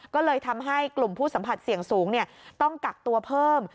ก็เลยทำให้กลุ่มผู้สัมผัสเสี่ยงสูงต้องกักตัวเพิ่ม